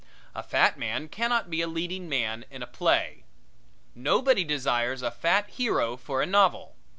A fat man cannot be a leading man in a play. Nobody desires a fat hero for a novel.